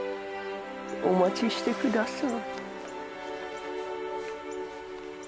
お待ちしてください